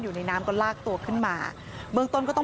ว่านี่ก็ลุกขึ้นฉันก็ตลก